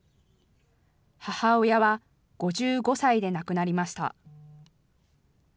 母親は５５歳で亡くなりました。